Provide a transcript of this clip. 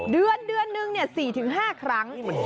เดือนนึง๔๕ครั้ง